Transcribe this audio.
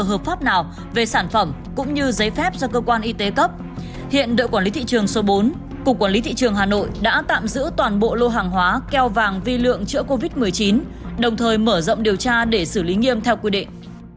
hiện đội quản lý thị trường số bốn cục quản lý thị trường hà nội đã tạm giữ toàn bộ lô hàng hóa keo vàng vi lượng chữa covid một mươi chín đồng thời mở rộng điều tra để xử lý nghiêm theo quy định